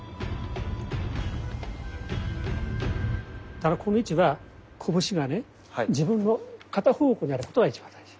ただこの位置は拳がね自分の肩方向にあることが一番大事。